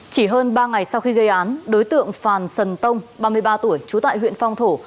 chỉ hơn ba ngày sau khi gây án đối tượng phàn sần tông ba mươi ba tuổi trú tại huyện phong thổ